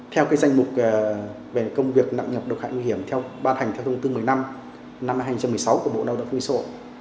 theo danh mục về công việc nặng nhập độc hại nguy hiểm ban hành theo thông tư một mươi năm năm hai nghìn một mươi sáu của bộ nâng đạo quy sổ